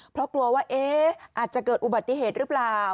เพราะกลัวว่าอาจจะเกิดอุบัติเหตุหรือเปล่า